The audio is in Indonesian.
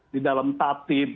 di dalam tati